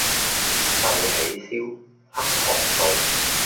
壽喜燒-黑糖道